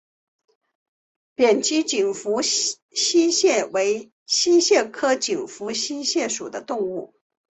扁肢紧腹溪蟹为溪蟹科紧腹溪蟹属的动物。